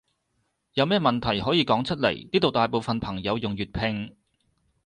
有咩問題可以講出來，呢度大部分朋友用粵拼